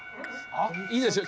いいですよ